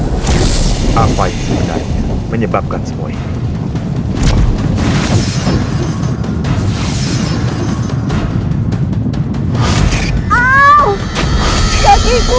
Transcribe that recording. hai apa yang sebenarnya menyebabkan semuanya